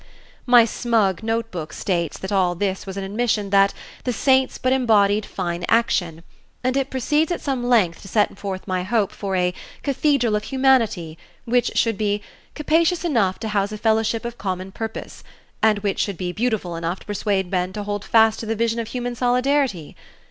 My smug notebook states that all this was an admission that "the saints but embodied fine action," and it proceeds at some length to set forth my hope for a "cathedral of humanity," which should be "capacious enough to house a fellowship of common purpose," and which should be "beautiful enough to persuade men to hold fast to the vision of human solidarity."